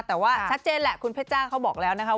แต่ว่าชัดเจนแหละคุณเพชรจ้าเขาบอกแล้วนะคะ